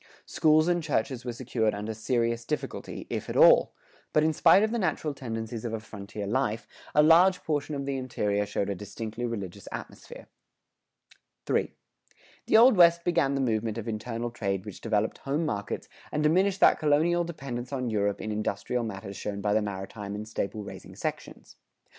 Schools and churches were secured under serious difficulty,[107:1] if at all; but in spite of the natural tendencies of a frontier life, a large portion of the interior showed a distinctly religious atmosphere. III. The Old West began the movement of internal trade which developed home markets and diminished that colonial dependence on Europe in industrial matters shown by the maritime and staple raising sections.